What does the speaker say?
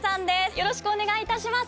よろしくお願いします！